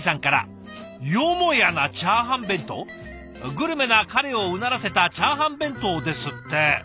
「グルメな彼をうならせたチャーハン弁当」ですって。